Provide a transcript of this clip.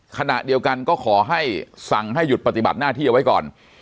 ขณะเดียวกันก็ขอให้สั่งให้หยุดปฏิบัติหน้าที่เอาไว้ก่อน